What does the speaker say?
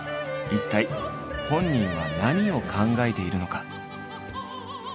一体本人は何を考えているのか？